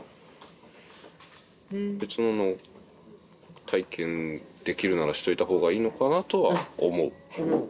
別の体験できるならしておいた方がいいのかなとは思う。